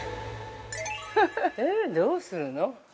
◆え、どうするの？